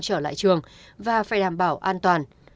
trở lại trường và phải đảm bảo an toàn